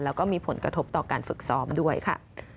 แล้วก็มีผลกระทบต่อการฝึกซ้อมด้วยค่ะ